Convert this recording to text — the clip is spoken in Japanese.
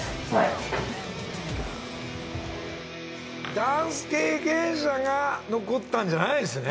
ダンス経験者が残ったんじゃないんですね。